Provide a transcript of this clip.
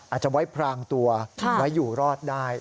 อาจจะไว้พรางตัวไว้อยู่รอดได้